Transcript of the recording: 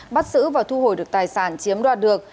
bắt giữ và thu hồi được tài sản chiếm đoạt được